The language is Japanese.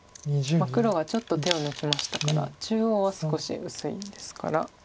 黒がちょっと手を抜きましたから中央は少し薄いですから。